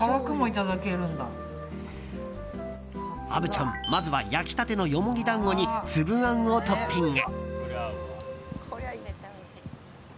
虻ちゃんまずは焼きたてのヨモギ団子に粒あんをトッピング。